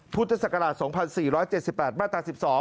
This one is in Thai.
พุทธศักราช๒๔๗๘มาตรา๑๒